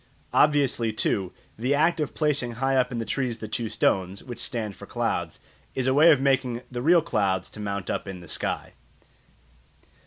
Obviously, too, the act of placing high up in trees the two stones, which stand for clouds, is a way of making the real clouds to mount up in the sky.